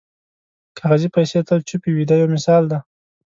کاغذي پیسې تل چوپې وي دا یو مثال دی.